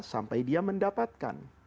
sampai dia mendapatkan